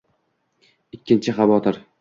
Ikkinchi xavotir.